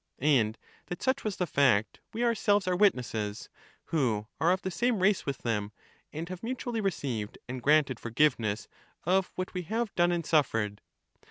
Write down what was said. And that such was the fact we ourselves are witnesses, who are of the same race with them, and have mutually received and granted for giveness of what we have done and suffered.